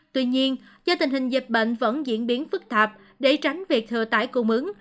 tuy nhiên do tình hình dịch bệnh vẫn diễn biến phức tạp để tránh việc thừa tải cung ứng